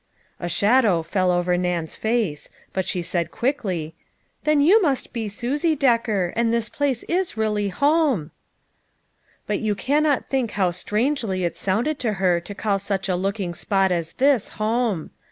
A shadow fell over Nan's face, but she said 26 LITTLE FISHEES : AND THEIR NETS. quickly, " Then you must be Susie Decker, and this place is really home !" But you cannot think how strangely it sounded to her to call such a looking spot as this home.